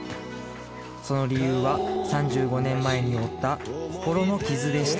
その理由は３５年前に負った心の傷でした